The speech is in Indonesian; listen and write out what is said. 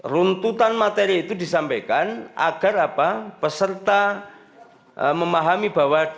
runtutan materi itu disampaikan agar peserta memahami bahwa